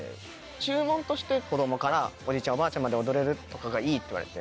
注文として子供からおじいちゃんおばあちゃんまで踊れるとかがいいって言われて。